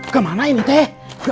kemana ini teh